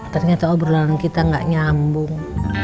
ternyata obrolan kita gak nyambung